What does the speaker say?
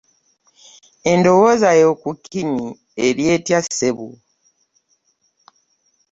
Endowozayo kukini eri etya ssebo